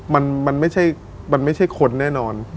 มันไม่ใช่คนแน่นอน